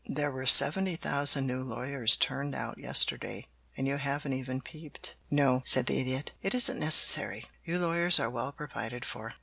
There were seventy thousand new lawyers turned out yesterday, and you haven't even peeped." "No," said the Idiot, "it isn't necessary. You lawyers are well provided for.